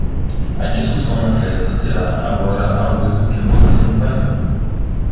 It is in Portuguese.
A discussão na festa será agora à luz do que aconteceu no painel.